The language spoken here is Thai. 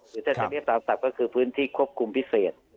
คือถ้าจะเรียกตามศัพท์ก็คือพื้นที่ควบคุมพิเศษ